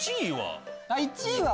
１位は？